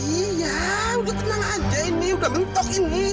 iya udah tenang aja ini udah bentok ini